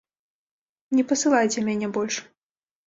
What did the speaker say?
Не пасылайце мяне больш.